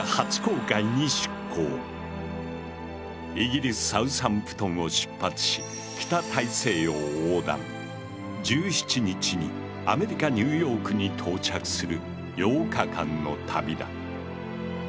イギリス・サウサンプトンを出発し北大西洋を横断１７日にアメリカ・ニューヨークに到着する８日間の旅だ。